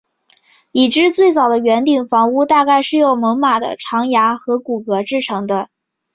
已知最早的圆顶房屋大概是用猛犸的长牙和骨骼制成的。